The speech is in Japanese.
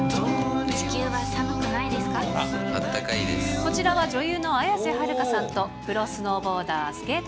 こちらは女優の綾瀬はるかさんとプロスノーボーダー・スケート